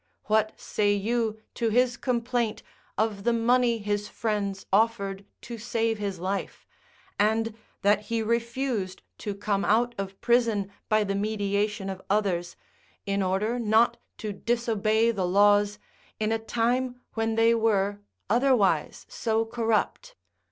What say you to his complaint of the money his friends offered to save his life, and that he refused to come out of prison by the mediation of others, in order not to disobey the laws in a time when they were otherwise so corrupt?